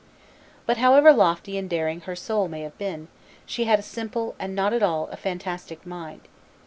But however lofty and daring her soul may have been, she had a simple and not at all a fantastic mind.